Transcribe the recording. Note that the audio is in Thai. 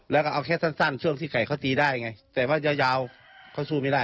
แล้วก็เอาแค่สั้นช่วงที่ไก่เขาตีได้ไงแต่ว่ายาวเขาสู้ไม่ได้